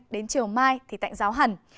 đến chiều mai thì tạnh giáo hẳn